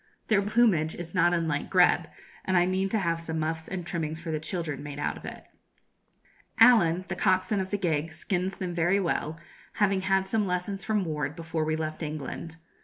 Their plumage is not unlike grebe, and I mean to have some muffs and trimmings for the children made out of it. Allen, the coxswain of the gig, skins them very well, having had some lessons from Ward before we left England.